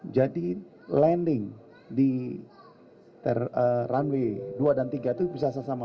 jadi landing di runway dua dan tiga itu bisa sama sama